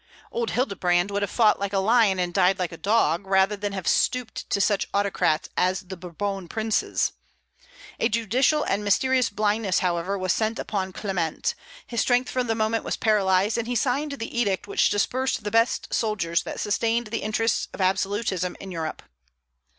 Old Hildebrand would have fought like a lion and died like a dog, rather than have stooped to such autocrats as the Bourbon princes. A judicial and mysterious blindness, however, was sent upon Clement; his strength for the moment was paralyzed, and he signed the edict which dispersed the best soldiers that sustained the interests of absolutism in Europe.